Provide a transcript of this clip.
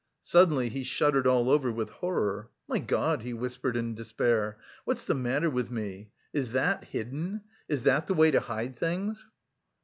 Suddenly he shuddered all over with horror; "My God!" he whispered in despair: "what's the matter with me? Is that hidden? Is that the way to hide things?"